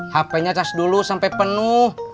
hpnya cas dulu sampai penuh